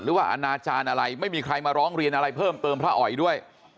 อนาจารย์อะไรไม่มีใครมาร้องเรียนอะไรเพิ่มเติมพระอ๋อยด้วย